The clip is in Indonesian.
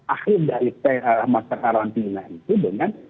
akhir dari masa karantina itu dengan